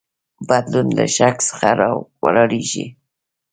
بدلون له شک څخه راولاړیږي.